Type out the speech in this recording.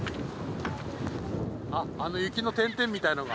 あっあの雪の点々みたいのが